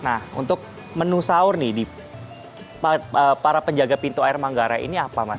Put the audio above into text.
nah untuk menu sahur nih para penjaga pintu air manggarai ini apa mas